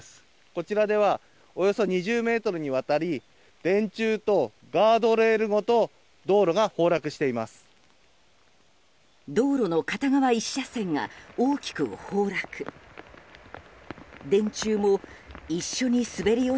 こちらではおよそ２０ｍにわたり電柱とガードレールごと道路の片側１車線が大きく崩落。